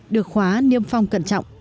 được khóa niêm phong cẩn trọng